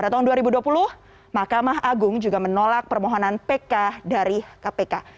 tahun dua ribu dua puluh mahkamah agung juga menolak permohonan pk dari kpk